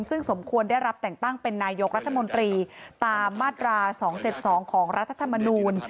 ซึ่งสมควรได้รับแต่งตั้งเป็นนายกรัฐมนตรีตามมาตรา๒๗๒ของรัฐธรรมนูล